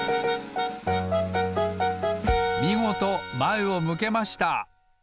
みごとまえを向けました！